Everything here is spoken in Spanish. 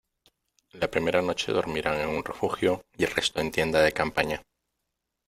La primera noche dormirán en un refugio y el resto en tienda de campaña.